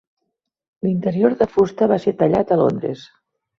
L'interior de fusta va ser tallat a Londres.